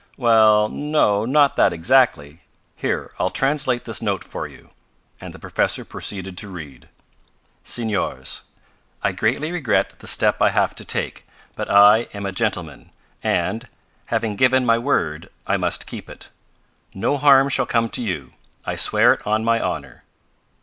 "Well, no. Not that exactly. Here, I'll translate this note for you," and the professor proceeded to read: "Senors: I greatly regret the step I have to take, but I am a gentleman, and, having given my word, I must keep it. No harm shall come to you, I swear it on my honor!"